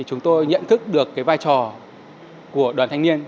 chúng tôi nhận thức được vai trò của đoàn thanh niên